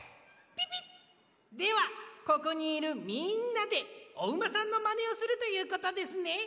ピピッではここにいるみんなでおうまさんのまねをするということですね。